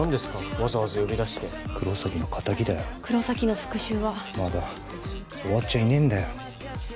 わざわざ呼び出して黒崎の仇だよ黒崎の復讐はまだ終わっちゃいねえんだよ